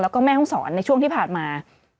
แล้วก็แม่ห้องศรในช่วงที่ผ่านมา